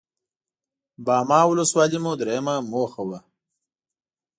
باما ولسوالي مو درېيمه موخه وه.